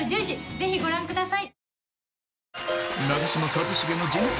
ぜひご覧ください。